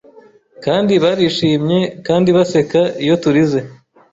kandi barishimye Kandi baseka iyo turize